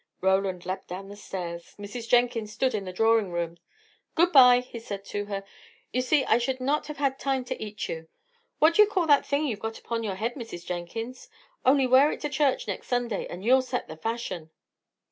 Roland leapt down the stairs. Mrs. Jenkins stood at the drawing room door. "Good bye," said he to her. "You see I should not have had time to eat you. What d'ye call that thing you have got upon your head, Mrs. Jenkins? Only wear it to church next Sunday, and you'll set the fashion."